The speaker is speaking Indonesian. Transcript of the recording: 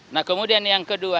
nah kemudian yang kedua